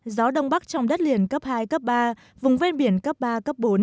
gió đông bắc trong đất liền cấp hai cấp ba vùng ven biển cấp ba cấp bốn